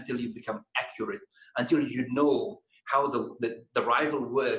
dan ketika anda sangat sangat memiliki kemampuan